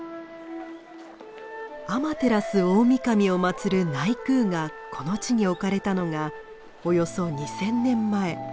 天照大御神を祀る内宮がこの地に置かれたのがおよそ２，０００年前。